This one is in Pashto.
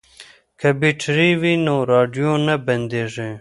که بیټرۍ وي نو راډیو نه بندیږي.